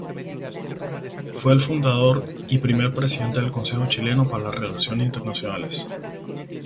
Fue el fundador y el primer presidente del Consejo Chileno para las Relaciones Internacionales.